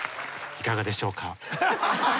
いかがでしょうか？